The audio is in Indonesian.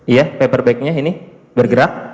iya paperbacknya ini bergerak